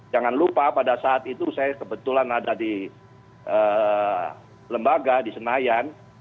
jangan lupa pada saat itu saya kebetulan ada di lembaga di senayan